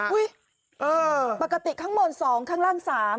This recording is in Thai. ปกติข้างบน๒ข้างล่าง๓